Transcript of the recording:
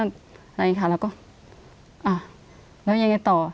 อะไรอย่างงี้ค่ะแล้วก็อ่าแล้วยังไงต่อ